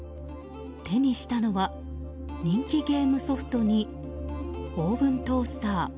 手にしたのは人気ゲームソフトにオーブントースター。